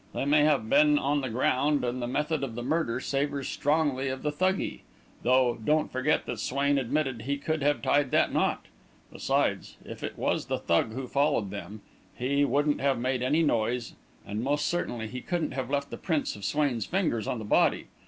They may have been on the ground, and the method of the murder savours strongly of Thuggee though don't forget that Swain admitted he could have tied that knot. Besides, if it was the Thug who followed them, he wouldn't have made any noise, and most certainly he couldn't have left the prints of Swain's fingers on the body.